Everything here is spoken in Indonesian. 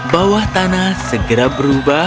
bawah tanah segera berubah